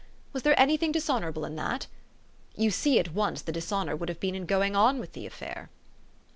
Was there any thing dishonora ble in that? You see at once, the dishonor would have been in going on with the affair."